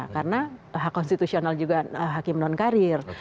karena hak konstitusional juga hakim non karir